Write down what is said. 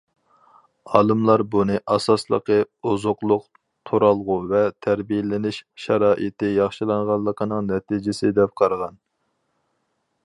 ئالىملار بۇنى ئاساسلىقى ئوزۇقلۇق، تۇرالغۇ ۋە تەربىيەلىنىش شارائىتى ياخشىلانغانلىقىنىڭ نەتىجىسى دەپ قارىغان.